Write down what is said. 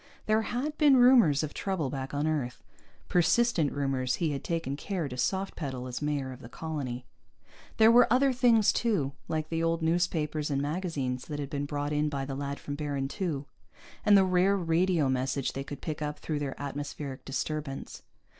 There had been rumors of trouble back on Earth, persistent rumors he had taken care to soft pedal, as mayor of the colony. There were other things, too, like the old newspapers and magazines that had been brought in by the lad from Baron II, and the rare radio message they could pick up through their atmospheric disturbance.